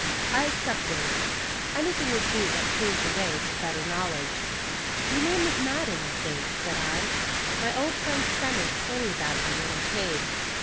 I accepted; anything would do that paved the way to better knowledge. "Your name is Madden, I think," said I. "My old friend Stennis told me about you when I came."